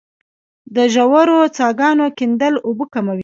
د ژورو څاګانو کیندل اوبه کموي